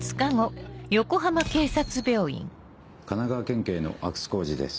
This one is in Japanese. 神奈川県警の阿久津浩二です。